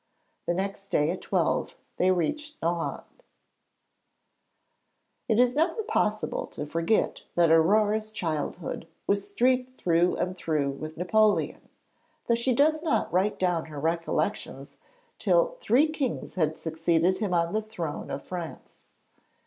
The next day at twelve they reached Nohant. It is never possible to forget that Aurore's childhood was streaked through and through with Napoleon, though she does not write down her recollections till three kings had succeeded him on the throne of France.